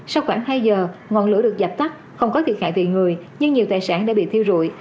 sau khoảng hai giờ ngọn lửa được dập tắt không có thiệt hại về người nhưng nhiều tài sản đã bị thiêu rụi